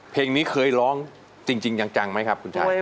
เพลงนี้เคยร้องจริงจังไหมครับคุณชัย